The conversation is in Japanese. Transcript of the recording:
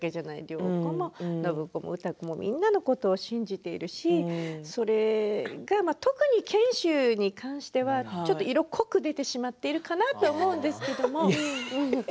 良子も暢子も歌子もみんなのことを信じているしそれが特に賢秀に対しては色濃く出てしまっているかなと思うんですけれども。